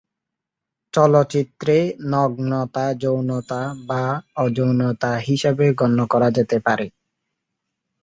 চলচ্চিত্রে নগ্নতা যৌনতা বা অ-যৌনতা হিসাবে গণ্য করা যেতে পারে।